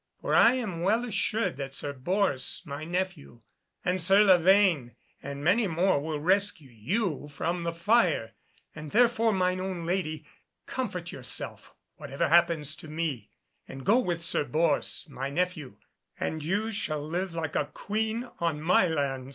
For I am well assured that Sir Bors, my nephew, and Sir Lavaine and many more, will rescue you from the fire, and therefore, mine own lady, comfort yourself whatever happens to me, and go with Sir Bors, my nephew, and you shall live like a Queen on my lands."